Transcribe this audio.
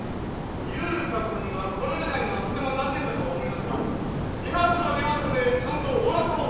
ユウカさんが来られないのはとても残念だとは思いますがリハーサルはリハーサルでちゃんと終わらせた方がいいんじゃないでしょうか？